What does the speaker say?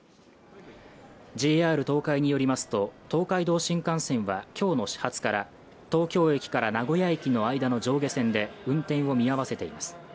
ＪＲ東海によりますと、東海道新幹線は、今日の始発から東京駅から名古屋駅の間の上下線で運転を見合わせています。